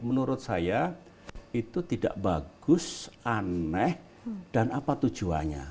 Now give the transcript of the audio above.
menurut saya itu tidak bagus aneh dan apa tujuannya